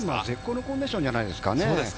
絶好のコンディションじゃないですかね。